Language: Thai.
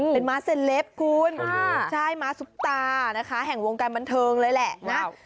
เป็นม้าเซลปคุณใช่ม้าซุปตานะคะแห่งวงการบันเทิงเลยแหละนะ